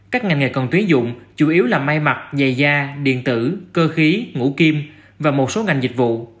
các ngành nghề cần tuyến dụng chủ yếu là may mặt dày da điện tử cơ khí ngũ kim và một số ngành dịch vụ